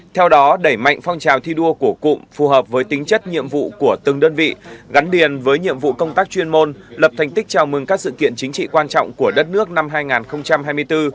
theo đó đẩy mạnh phong trào thi đua của cụm phù hợp với tính chất nhiệm vụ của từng đơn vị gắn điền với nhiệm vụ công tác chuyên môn lập thành tích chào mừng các sự kiện chính trị quan trọng của đất nước năm hai nghìn hai mươi bốn